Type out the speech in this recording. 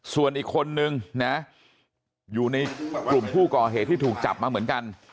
ส่วนอีกคนนึงนะอยู่ในกลุ่มผู้ก่อเหตุที่ถูกจับมาเหมือนกัน